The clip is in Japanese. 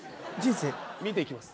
見ていきます。